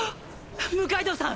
六階堂さん